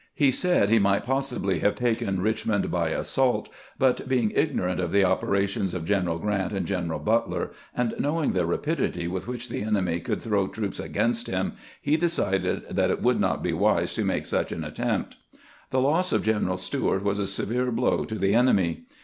He said he might possibly have taken Richmond by assault, but, being ignorant of the opera tions of Q eneral Grant and General Butler, and knowing the rapidity with which the enemy could throw troops against him, he decided that it would not be wise to make such an attempt. The loss of General Stuart was a severe blow to the enemy.